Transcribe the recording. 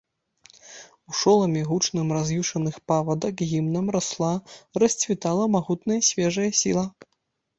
У шоламе гучным раз'юшаных павадак гімнам расла, расцвітала магутная свежая сіла.